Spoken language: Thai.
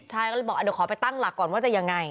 ใช่ก็เลยบอกเดี๋ยวขอไปตั้งหลักก่อนว่าจะยังไง